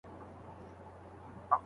لوستل د شخصیت په جوړولو کي مرسته کوي.